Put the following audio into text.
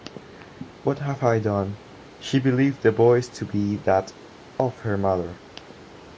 What have I done, she believed the voice to be that of her mother.